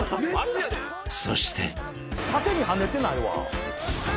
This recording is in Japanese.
［そして］縦に跳ねてないわ。